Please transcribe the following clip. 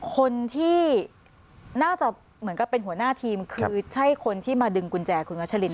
คนที่น่าจะเหมือนกับเป็นหัวหน้าทีมคือใช่คนที่มาดึงกุญแจคุณวัชลิน